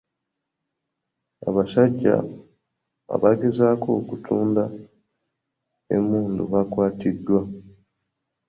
Abasajja abagezaako okutunda emmundu bakwatiddwa.